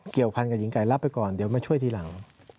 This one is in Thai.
เกี่ยวพันกับหญิงไก่รับไปก่อนเดี๋ยวมาช่วยทีหลัง